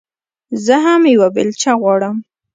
زه هم يوه بېلچه غواړم.